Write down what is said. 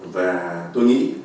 và tôi nghĩ